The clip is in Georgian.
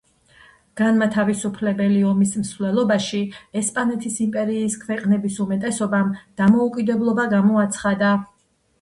განმათავისუფლებელი ომის მსვლელობაში ესპანეთის იმპერიის ქვეყნების უმეტესობამ დამოუკიდებლობა გამოაცხადა.